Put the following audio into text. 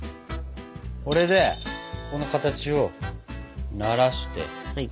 これでこの形をならして。